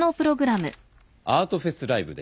アートフェスライブです。